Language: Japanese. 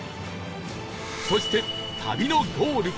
そして旅のゴール